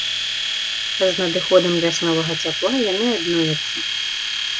З надыходам вясновага цяпла яны адновяцца.